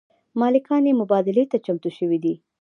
مالکان یې مبادلې ته چمتو شوي دي.